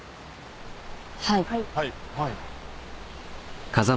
はい。